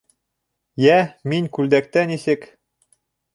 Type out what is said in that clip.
Йә, мин күлдәктә нисек?